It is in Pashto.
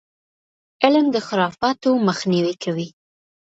علم د خرافاتو مخنیوی کوي.